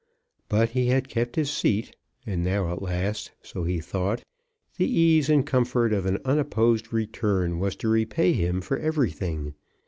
But he had kept his seat, and now at last, so he thought, the ease and comfort of an unopposed return was to repay him for everything.